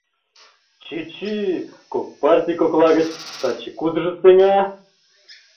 — Чӱчӱ, кок партий кокла гыч таче кудыжо сеҥа?